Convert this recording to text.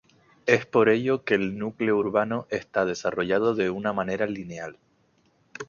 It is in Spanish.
Es por ello que el núcleo urbano está desarrollado de una manera lineal.